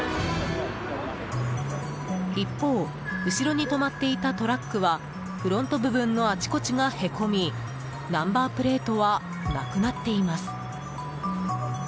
一方、後ろに止まっていたトラックはフロント部分のあちこちがへこみナンバープレートはなくなっています。